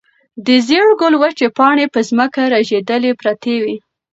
د زېړ ګل وچې پاڼې په ځمکه رژېدلې پرتې وې.